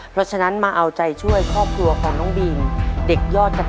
เพราะฉะนั้นมาเอาใจช่วยครอบครัวของน้องบีง